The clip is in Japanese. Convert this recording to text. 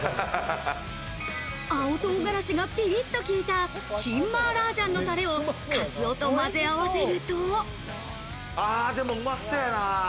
青唐辛子がピリッと効いたチンマーラージャンのたれをカツオとまぜ合わせるうまそうやな。